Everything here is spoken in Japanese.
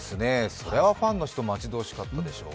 それはファンの人、待ち遠しかったでしょう。